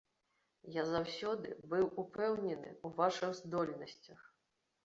Я заўсёды быў упэўнены ў вашых здольнасцях.